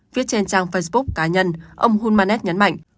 viết trên trang facebook cá nhân ông hun manet nhấn mạnh